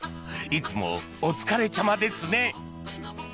いつもお疲れちゃまですね。